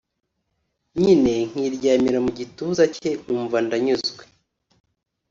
nyine nkiryamira mu gituza cye nkumva ndanyuzwe